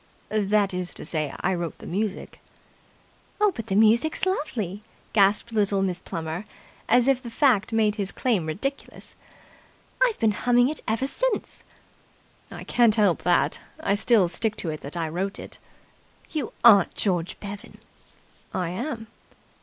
"That is to say, I wrote the music." "But the music's lovely," gasped little Miss Plummer, as if the fact made his claim ridiculous. "I've been humming it ever since." "I can't help that. I still stick to it that I wrote it." "You aren't George Bevan!" "I am!"